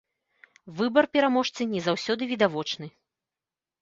Выбар пераможцы не заўсёды відавочны.